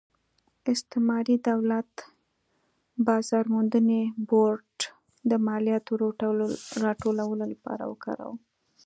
استعماري دولت بازار موندنې بورډ د مالیاتو راټولولو لپاره وکاراوه.